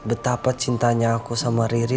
betapa cintanya aku sama riri